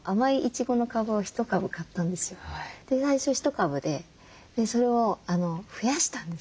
最初１株でそれを増やしたんです。